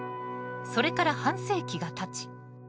それから半世紀がたち。